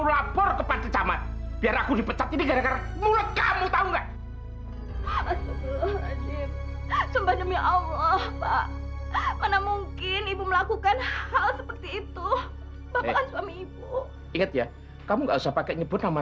sampai jumpa di video selanjutnya